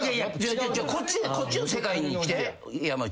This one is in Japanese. こっちの世界に来て山内。